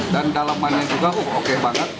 dan dalamannya juga oke banget